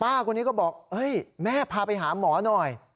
ป้าคนนี้ก็บอกเฮ้ยแม่พาไปหาหมอหน่อย